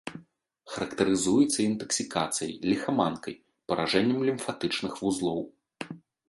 Характарызуецца інтаксікацыяй, ліхаманкай, паражэннем лімфатычных вузлоў.